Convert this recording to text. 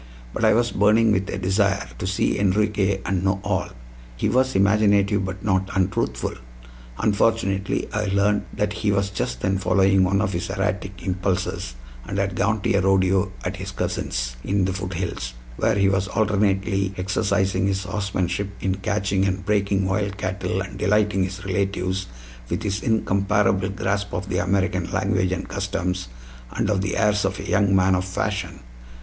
But I was burning with a desire to see Enriquez and know all. He was imaginative but not untruthful. Unfortunately, I learned that he was just then following one of his erratic impulses, and had gone to a rodeo at his cousin's, in the foothills, where he was alternately exercising his horsemanship in catching and breaking wild cattle and delighting his relatives with his incomparable grasp of the American language and customs, and of the airs of a young man of fashion.